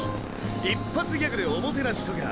一発ギャグでおもてなしとか。